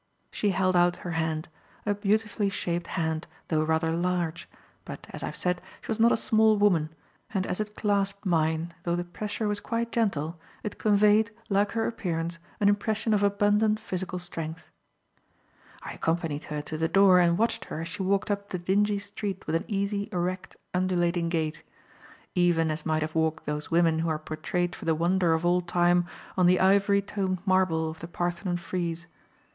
She held out her hand; a beautifully shaped hand, though rather large but, as I have said, she was not a small woman; and as it clasped mine, though the pressure was quite gentle, it conveyed, like her appearance, an impression of abundant physical strength. I accompanied her to the door and watched her as she walked up the dingy street with an easy, erect, undulating gait; even as might have walked those women who are portrayed for the wonder of all time on the ivory toned marble of the Parthenon frieze.